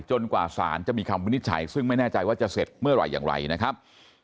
กว่าสารจะมีคำวินิจฉัยซึ่งไม่แน่ใจว่าจะเสร็จเมื่อไหร่อย่างไรนะครับ